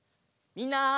みんな！